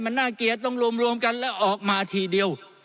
มันน่าเกลียดต้องรวมกันแล้วออกมาทีเดียว